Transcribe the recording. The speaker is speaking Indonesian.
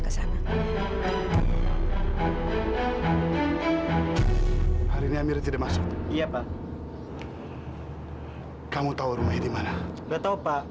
ke sana hari ini amir tidak masuk iya pak kamu tahu rumahnya di mana enggak tahu pak